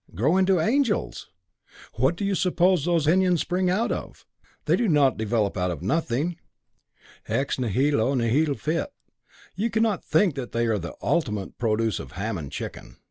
Grow into angels! What do you suppose that ethereal pinions spring out of? They do not develop out of nothing. Ex nihilo nihil fit. You cannot think that they are the ultimate produce of ham and chicken." "Nor of whisky."